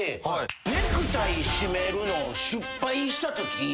ネクタイ締めるのを失敗したとき。